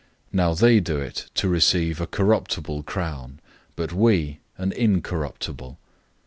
Now they do it to receive a corruptible crown, but we an incorruptible.